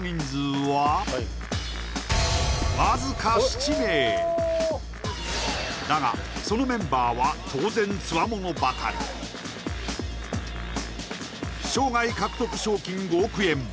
そしてだがそのメンバーは当然つわものばかり生涯獲得賞金５億円